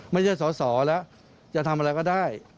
ไม่ใช่สอสอแล้วจะทำอะไรก็ได้